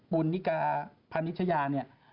บุญนิกาพนิชยาเนี่ย